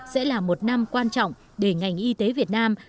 sẽ là một năm quan trọng để ngành y tế việt nam